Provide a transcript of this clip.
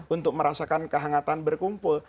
untuk merasakan kehangatan berkumpul